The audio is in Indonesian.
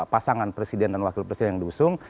pasangan presiden dan wakil presiden yang diusung